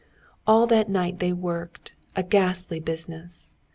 All that night they worked, a ghastly business.